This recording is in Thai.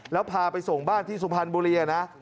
แล้วพาไปส่งบ้านที่สุพรรณบุรีนะ